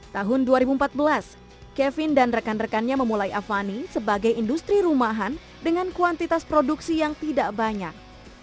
tahun dua ribu empat belas kevin dan rekan rekannya memulai avani sebagai industri rumahan dengan kuantitas produksi yang tidak banyak